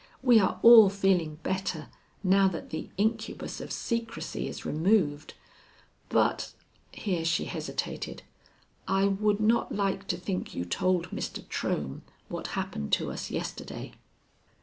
"We are all feeling better now that the incubus of secrecy is removed. But" here she hesitated "I would not like to think you told Mr. Trohm what happened to us yesterday."